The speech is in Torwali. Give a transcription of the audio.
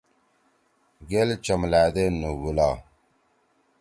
گیل چملأدے نُگُولا۔